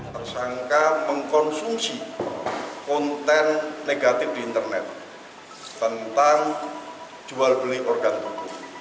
tersangka mengkonsumsi konten negatif di internet tentang jual beli organ tubuh